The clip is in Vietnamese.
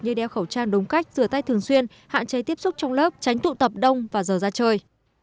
như đeo khẩu trang đúng cách rửa tay thường xuyên hạn chế tiếp xúc trong lớp tránh tụ tập đông và giờ ra chơi